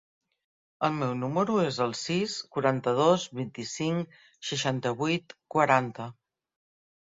El meu número es el sis, quaranta-dos, vint-i-cinc, seixanta-vuit, quaranta.